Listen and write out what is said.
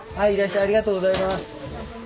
ありがとうございます。